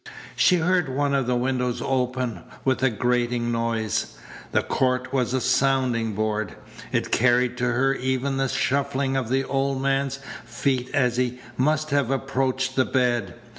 She heard one of the windows opened with a grating noise. The court was a sounding board. It carried to her even the shuffling of the old man's feet as he must have approached the bed.